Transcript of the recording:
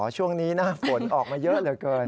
ช่วงนี้นะฝนออกมาเยอะเหลือเกิน